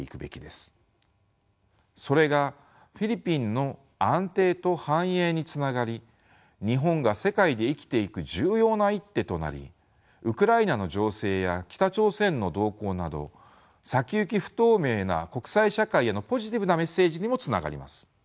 それがフィリピンの安定と繁栄につながり日本が世界で生きていく重要な一手となりウクライナの情勢や北朝鮮の動向など先行き不透明な国際社会へのポジティブなメッセージにもつながります。